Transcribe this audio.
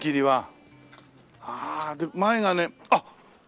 はあで前がねあっ！